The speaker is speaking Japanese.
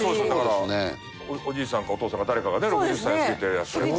だからおじいさんかお父さんか誰かがね６０歳を過ぎていらっしゃれば。